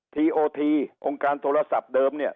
ทีโอทีโครงการโทรศัพท์เดิมเนี่ย